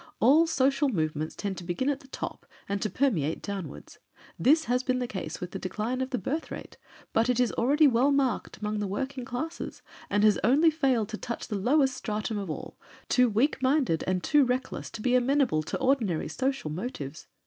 All social movements tend to begin at the top and to permeate downwards. This has been the case with the decline of the birth rate, but it is already well marked among the working classes, and has only failed to touch the lowest stratum of all, too weak minded and too reckless to be amenable to ordinary social motives.